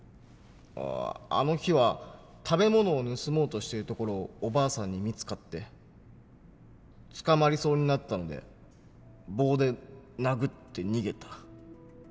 ああの日は食べ物を盗もうとしてるところをおばあさんに見つかって捕まりそうになったので棒で殴って逃げた。